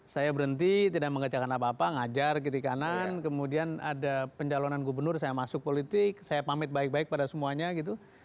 saya berhenti tidak mengerjakan apa apa ngajar kiri kanan kemudian ada pencalonan gubernur saya masuk politik saya pamit baik baik pada semuanya gitu